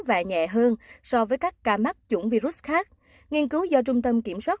và nhẹ hơn so với các ca mắc chủng virus khác nghiên cứu do trung tâm kiểm soát